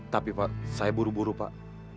tapi pak saya buru buru pak